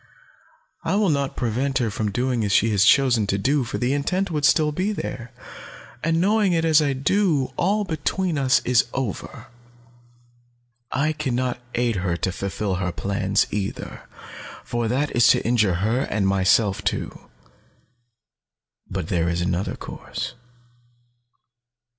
I will not prevent her from doing as she has chosen to do, for the intent would still be there, and knowing it as I do, all between us is over. I can not aid her to fulfill her plans, either, for that is to injure her and myself too. But there is another course.